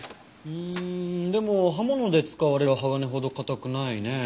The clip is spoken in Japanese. うーんでも刃物で使われる鋼ほど硬くないね。